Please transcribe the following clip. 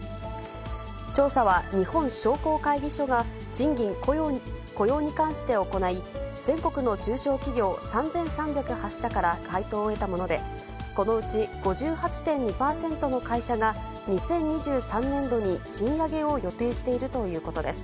調査は日本商工会議所が賃金、雇用に関して行い、全国の中小企業３３０８社から回答を得たもので、このうち５８．２％の会社が、２０２３年度に賃上げを予定しているということです。